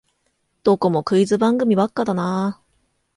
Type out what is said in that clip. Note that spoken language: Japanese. どこもクイズ番組ばっかだなあ